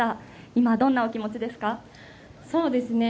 今、どんなお気持ちですか？